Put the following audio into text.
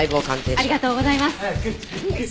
ありがとうございます。